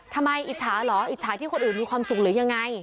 มิจฉาเหรออิจฉาที่คนอื่นมีความสุขหรือยังไง